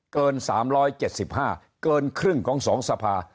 เกิน๓๗๕เกินครึ่งของ๒สภา